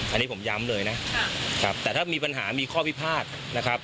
อันนี้ผมย้ำเลยนะครับแต่ถ้ามีปัญหามีข้อพิพาทนะครับ